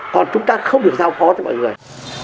còn chúng ta không được giao phó cho mọi người